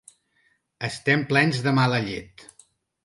Estem plens de mala llet.